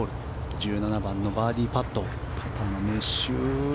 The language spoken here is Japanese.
１７番のバーディーパット。